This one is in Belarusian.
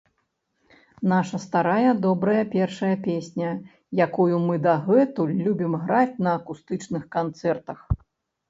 Нашая старая добрая першая песня, якую мы дагэтуль любім граць на акустычных канцэртах.